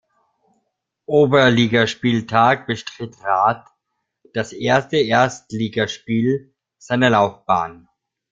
Oberligaspieltag bestritt Rath das erste Erstligaspiel seiner Laufbahn.